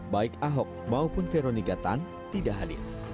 baik ahok maupun veroniga tan tidak hadir